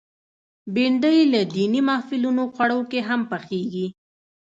بېنډۍ له دینی محفلونو خوړو کې هم پخېږي